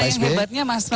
nah yang hebatnya mas didi